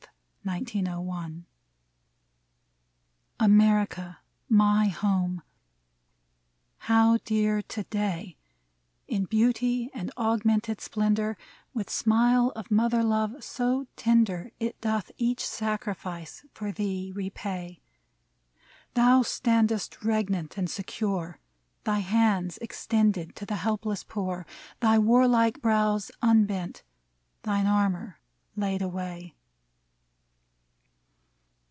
171 MEMORIAL ODE America, my home !— how dear to day ! In beauty and augmented splendor, With smile of mother love so tender It doth each sacrifice for thee repay, Thou standest regnant and secure, Thy hands extended to the helpless poor, Thy war like brows unbent, thine armor laid away.